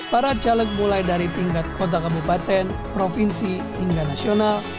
para caleg mulai dari tingkat kota kabupaten provinsi hingga nasional